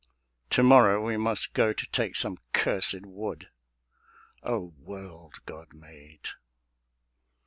To morrow we must go To take some cursèd Wood.... O world God made!